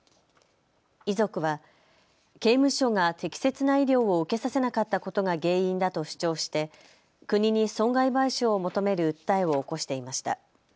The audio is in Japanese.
遺族は刑務所が適切な医療を受けさせなかったことが原因だと主張して国に損害賠償を求める訴えを起こしていました。